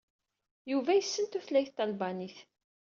Yuba yessen tutlayt talbanit.